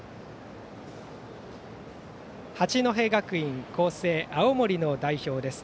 八戸学院光星、青森の代表です。